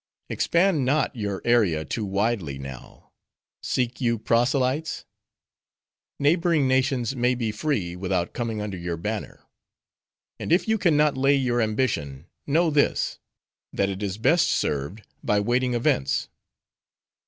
Expand not your area too widely, now. Seek you proselytes? Neighboring nations may be free, without coming under your banner. And if you can not lay your ambition, know this: that it is best served, by waiting events.